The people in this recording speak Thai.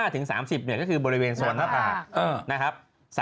๑๕ถึง๓๐เนี่ยก็คือบริเวณส่วนฝากนะครับ